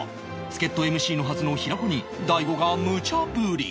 助っ人 ＭＣ のはずの平子に大悟がむちゃ振り